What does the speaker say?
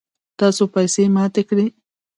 تاسو پیسی ماتی کړئ